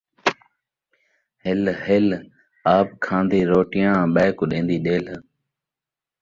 hill hill, آپ کھان٘دی روٹیاں پئے کوں ݙین٘دی ݙلھ